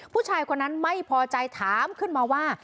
ผู้ชายคนนั้นไม่พอใจถามขึ้นมาว่า